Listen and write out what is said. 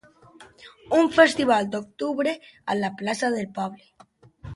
Un festival d'octubre a la plaça del poble.